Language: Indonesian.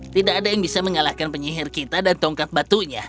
tidak ada yang bisa mengalahkan penyihir kita dan tongkat batunya